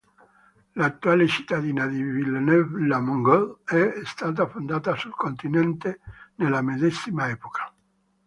L'attuale cittadina di Villeneuve-lès-Maguelone è stata fondata sul continente nella medesima epoca.